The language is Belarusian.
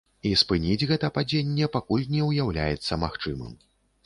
І спыніць гэта падзенне пакуль не ўяўляецца магчымым.